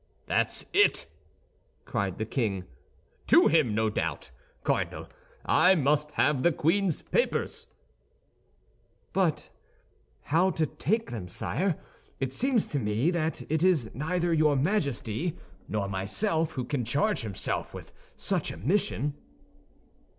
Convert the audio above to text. "That's it!" cried the king; "to him, no doubt. Cardinal, I must have the queen's papers." "But how to take them, sire? It seems to me that it is neither your Majesty nor myself who can charge himself with such a mission."